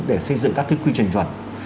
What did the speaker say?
để xây dựng các quy trình chuẩn